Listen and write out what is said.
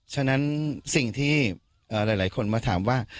ฉะนั้นสิ่งที่หลายคนมาถามว่า